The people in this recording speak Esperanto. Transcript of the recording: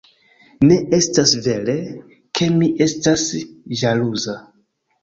Ne estas vere, ke mi estas ĵaluza.